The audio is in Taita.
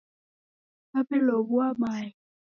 Naw'elow'ua mayo